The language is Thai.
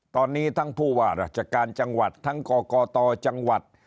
ตอนนี้ทั้งผู้ว่าราชการจังหวัดทั้งกกตจังหวัด